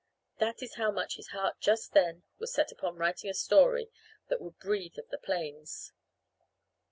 That is how much his heart just then was set upon writing a story that would breathe of the plains.